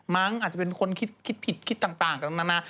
มั้งอาจจะเป็นคนคิดผิดต่างเหมือนนานา